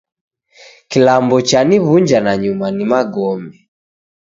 Kilambo chaniw'unja nanyuma ni magome.